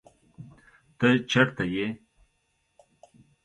ته چرته یې؟